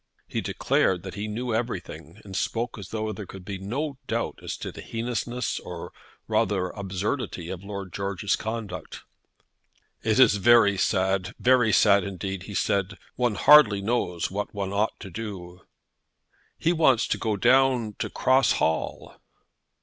He declared that he knew everything, and spoke as though there could be no doubt as to the heinousness, or rather, absurdity, of Lord George's conduct. "It is very sad, very sad, indeed," he said; "one hardly knows what one ought to do." "He wants to go down to Cross Hall."